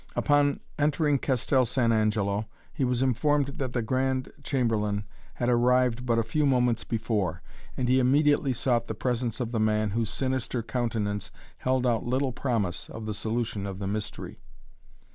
Upon entering Castel San Angelo he was informed that the Grand Chamberlain had arrived but a few moments before and he immediately sought the presence of the man whose sinister countenance held out little promise of the solution of the mystery.